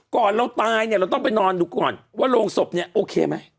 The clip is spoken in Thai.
เราตายเนี่ยเราต้องไปนอนดูก่อนว่าโรงศพเนี่ยโอเคไหม